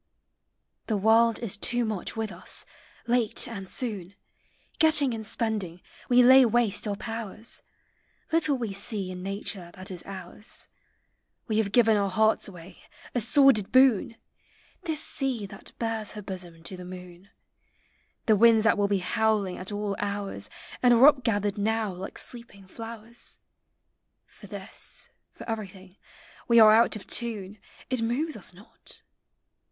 The World is too much with us; late and soon. Getting and spending, we lay waste our powers; Little we see in nature that is ours; We have given our hearts away, a sordid boon ! This sea that bares her bosom to the moon ; The winds that will bo howling at all hours. And are up gathered now like sleeping flowers; For this, for everything, we are out <>!' tune; It moves us not.